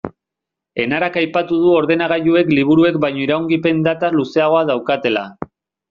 Enarak aipatu du ordenagailuek liburuek baino iraungipen data luzeagoa daukatela.